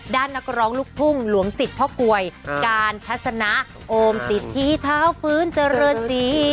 ด้านนักร้องลูกพุ่งหลวงศิษย์พ่อกวยการทัศนโอมศิษย์ที่เท้าฟื้นเจริญศีร